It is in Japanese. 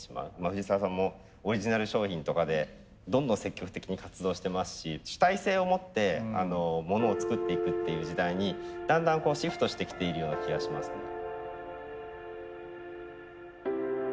藤澤さんもオリジナル商品とかでどんどん積極的に活動してますし主体性を持ってモノを作っていくっていう時代にだんだんこうシフトしてきているような気がしますね。